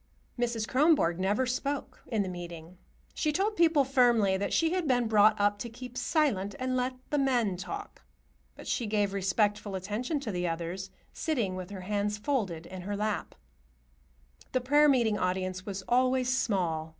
Mrs. Kronborg never spoke in meeting. She told people firmly that she had been brought up to keep silent and let the men talk, but she gave respectful attention to the others, sitting with her hands folded in her lap. The prayer meeting audience was always small.